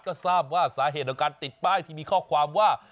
ก็ทราบว่าสาเหตุของการติดป้ายที่มีข้อความว่า